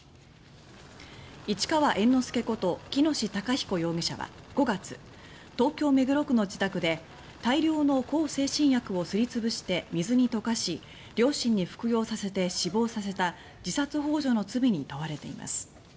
市川猿之助こと喜熨斗孝彦被告は５月東京・目黒区の自宅で大量の向精神薬をすり潰して水に溶かし両親に服用させて死亡させた自殺ほう助の罪に問われています。